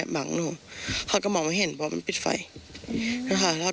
ไม่ว่าไหนมีมีตยาว